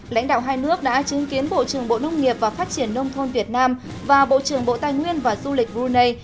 lãnh đạo hai nước đã chứng kiến bộ trưởng bộ nông nghiệp và phát triển nông thôn việt nam và bộ trưởng bộ tài nguyên và du lịch brunei